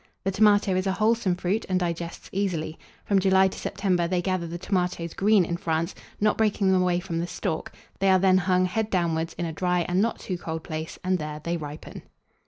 The Tomato is a wholesome fruit, and digests easily. From July to September, they gather the tomatoes green in France, not breaking them away from the stalk; they are then hung, head downwards, in a dry and not too cold place; and there they ripen.